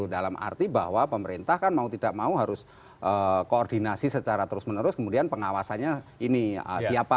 dalam arti bahwa pemerintah kan mau tidak mau harus koordinasi secara terus menerus kemudian pengawasannya ini siapa